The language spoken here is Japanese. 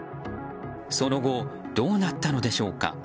その後、どうなったのでしょうか。